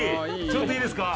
ちょっといいですか。